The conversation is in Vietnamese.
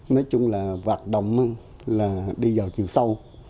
nói chung là hoạt động là đi vào chiều sâu